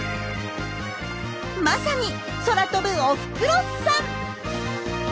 まさに空飛ぶおふくろさん！